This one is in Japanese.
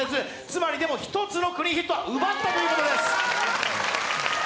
つまり１つのクリーンヒットは奪ったということです。